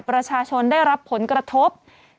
ประชาชนได้รับผลกระทบ